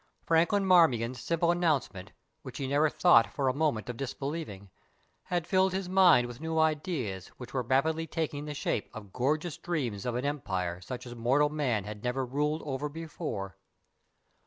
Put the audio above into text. Franklin Marmion's simple announcement, which he never thought for a moment of disbelieving, had filled his mind with new ideas, which were rapidly taking the shape of gorgeous dreams of an empire such as mortal man had never ruled over before.